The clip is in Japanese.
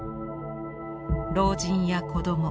老人や子ども